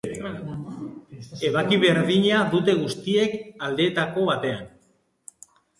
Ebaki berdina dute guztiek aldeetako batean.